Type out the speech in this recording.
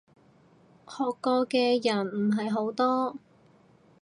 學過嘅人唔係好多